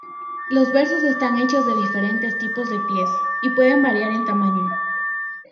Los versos están hechos de diferentes tipos de pies y pueden variar en tamaño.